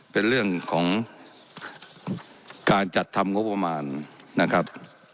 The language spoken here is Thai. เป็นเรื่องของการจัดทำงบประมาณนะครับ